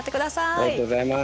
ありがとうございます。